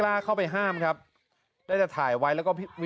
พื้นที่อำเภอเพลนอ่ะจังหวัดอุ้ดอม